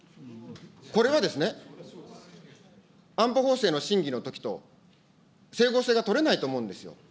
これはですね、安保法制の審議のときと整合性が取れないと思うんですよ。